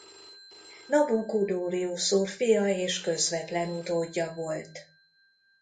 Nabú-kudurri-uszur fia és közvetlen utódja volt.